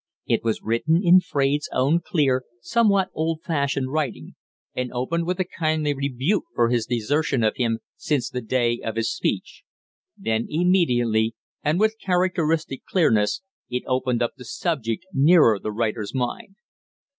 It was written in Fraide's own clear, somewhat old fashioned writing, and opened with a kindly rebuke for his desertion of him since the day of his speech; then immediately, and with characteristic clearness, it opened up the subject nearest the writer's mind.